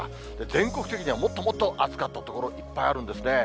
全国的にはもっともっと暑かった所、いっぱいあるんですね。